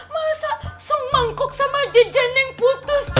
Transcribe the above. masa semangkok sama jajan yang putus